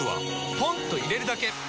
ポンと入れるだけ！